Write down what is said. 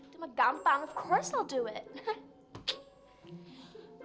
tumah gampang tentu udah lakuin